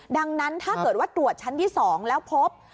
ดังนั้นถ้าเกิดว่าตรวจชั้นที่๒แล้วพบ